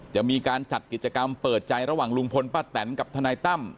จะมีการจัดกิจกรรมเปิดใจระหว่างลุงพลป้าแตนกับทนายตั้ม